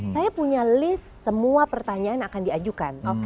saya punya list semua pertanyaan akan diajukan